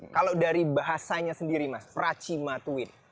kalau dari bahasanya sendiri mas pracima twin